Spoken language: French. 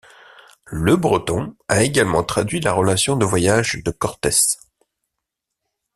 Le Breton a également traduit la relation de voyage de Cortés.